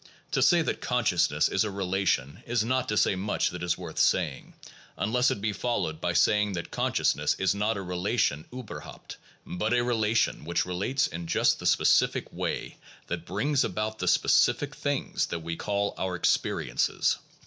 To say that consciousness is a relation is not to say much that is worth saying, unless it be followed by saying that consciousness is not a relation uberhaupt, but a relation which relates in just the specific way that brings about the specific things that we call our experiences.